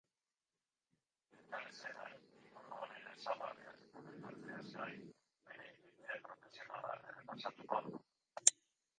Elkarrizketan, liburu honen ezaugarriak komentatzeaz gain, bere ibilbide profesionala errepasatuko du.